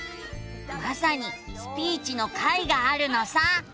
まさに「スピーチ」の回があるのさ。